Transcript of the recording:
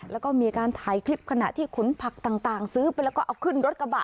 แล้วก็มีการถ่ายคลิปขณะที่ขนผักต่างซื้อไปแล้วก็เอาขึ้นรถกระบะ